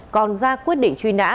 còn ra quyết định truy nã